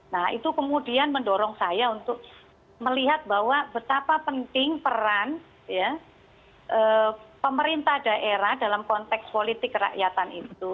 nah itu kemudian mendorong saya untuk melihat bahwa betapa penting peran pemerintah daerah dalam konteks politik kerakyatan itu